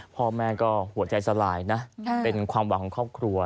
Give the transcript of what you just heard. พ่อแม่ก็หัวใจสลายนะเป็นความหวังของครอบครัว